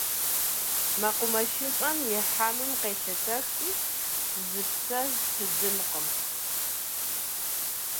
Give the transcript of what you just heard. Мэкъумэшыщӏэм и хьэмым къелъэтэхри – зы псэ щыдымкъым.